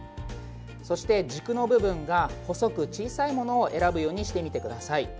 そして、軸の部分が細く小さいものを選ぶようにしてみてください。